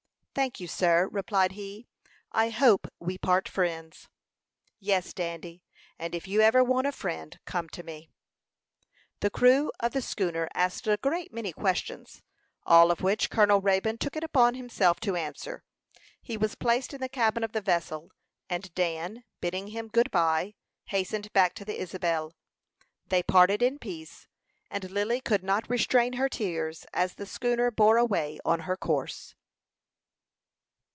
"Thank you, sir," replied he. "I hope we part friends." "Yes, Dandy; and if you ever want a friend, come to me." The crew of the schooner asked a great many questions, all of which Colonel Raybone took it upon himself to answer. He was placed in the cabin of the vessel, and Dan, bidding him good by, hastened back to the Isabel. They parted in peace, and Lily could not restrain her tears as the schooner bore away on her course.